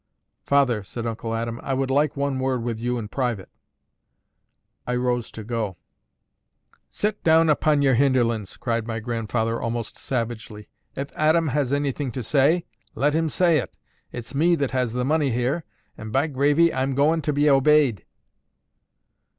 "Father," said Uncle Adam, "I would like one word with you in private." I rose to go. "Set down upon your hinderlands," cried my grandfather, almost savagely. "If Aadam has anything to say, let him say it. It's me that has the money here; and by Gravy! I'm goin' to be obeyed."